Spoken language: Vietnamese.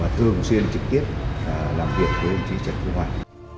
thường xuyên trực tiếp làm việc với đồng chí trần quốc hoàn